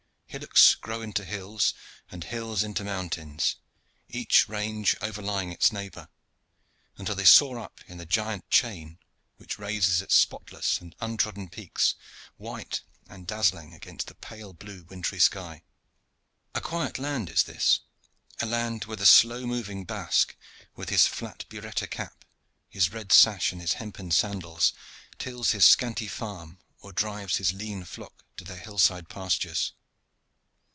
Hillocks grow into hills, and hills into mountains, each range overlying its neighbor, until they soar up in the giant chain which raises its spotless and untrodden peaks, white and dazzling, against the pale blue wintry sky. A quiet land is this a land where the slow moving Basque, with his flat biretta cap, his red sash and his hempen sandals, tills his scanty farm or drives his lean flock to their hill side pastures.